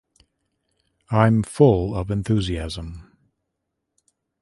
I'm full of enthusiasm.